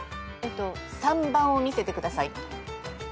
３番を見せてください。